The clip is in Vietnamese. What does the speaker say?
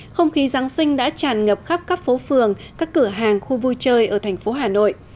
không khí giáng sinh đã tràn ngập khắp các phố phường các cửa hàng khu vui chơi ở thành phố hà nội